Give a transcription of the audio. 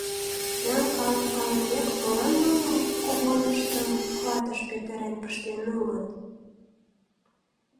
Сӱан калык палымек: молан нуным когыньыштым клатыш петырен пыштен улыт...